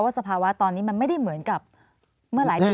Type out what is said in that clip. สภาวะตอนนี้มันไม่ได้เหมือนกับเมื่อหลายปี